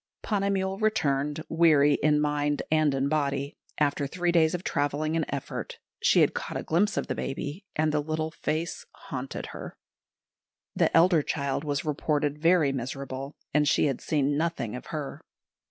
Ponnamal returned, weary in mind and in body, after three days of travelling and effort; she had caught a glimpse of the baby, and the little face haunted her. The elder child was reported very miserable, and she had seen nothing of her.